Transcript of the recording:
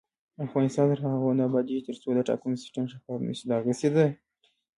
افغانستان تر هغو نه ابادیږي، ترڅو د ټاکنو سیستم شفاف نشي.